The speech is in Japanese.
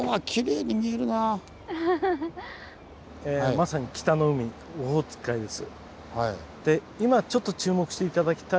まさに北の海オホーツク海です。